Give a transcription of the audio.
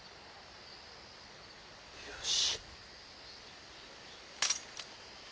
よし。